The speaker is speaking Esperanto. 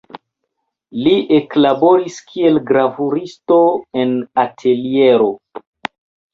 Li eklaboris kiel gravuristo en ateliero.